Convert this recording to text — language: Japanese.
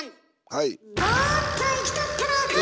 はい。